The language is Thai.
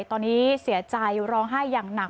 ตอนนี้เสียใจร้องไห้อย่างหนัก